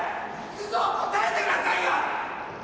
答えてくださいよ！